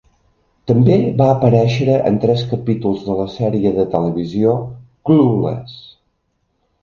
També va aparèixer en tres capítols de la sèrie de televisió "Clueless".